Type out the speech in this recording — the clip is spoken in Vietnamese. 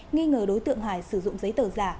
nghi ngờ đối tượng hải sử dụng giấy tờ giả